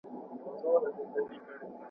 لار یې ورکه کړه په ځان پوري حیران سو `